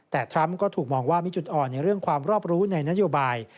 แต่ทรัมป์ก็ถูกมองว่ามีจุดอ่อนในเรื่องความรอบรู้ในนโยบาย